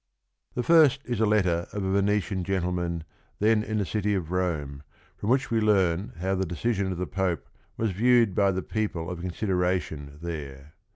The first is a letter of a Venetian gentleman then in t he city of Rome , from which we learn how the decision of the Pope was viewed by the people of consideration there.